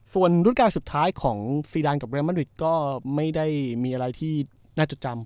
ส่วนรุ่นการสุดท้ายของซีดานกับเรลมาริดก็ไม่ได้มีอะไรที่น่าจดจำ